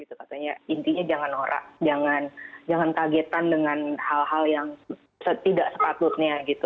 gitu katanya intinya jangan norak jangan targetan dengan hal hal yang tidak sepatutnya gitu